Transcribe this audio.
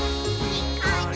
にっこり。